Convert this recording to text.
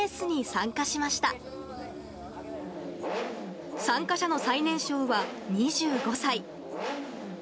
参加者の最年少は２５歳。